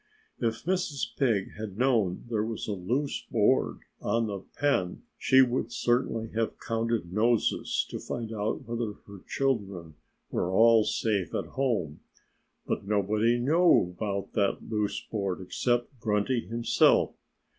If Mrs. Pig had known there was a loose board on the pen she would certainly have counted noses to find out whether her children were all safe at home. But nobody knew about that loose board except Grunty himself.